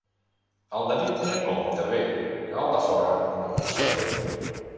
El de dintre compta bé, que el de fora no ho sap fer.